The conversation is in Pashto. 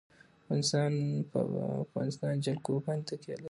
افغانستان په د افغانستان جلکو باندې تکیه لري.